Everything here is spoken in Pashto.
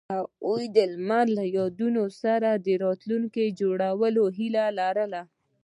هغوی د لمر له یادونو سره راتلونکی جوړولو هیله لرله.